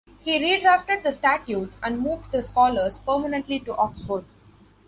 He redrafted the statutes and moved the scholars permanently to Oxford.